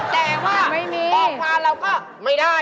แต่ว่าข้อความเราก็ไม่ได้